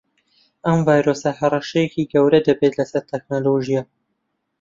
ئەم ڤایرۆسە هەڕەشەیەکی گەورە دەبێت لەسەر تەکنەلۆژیا